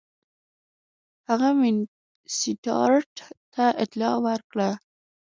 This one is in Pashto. هغه وینسیټارټ ته اطلاع ورکړه.